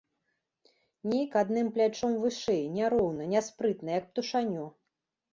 Нейк адным плячом вышэй, няроўна, няспрытна, як птушанё.